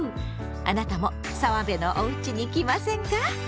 あなたも澤部のおうちに来ませんか？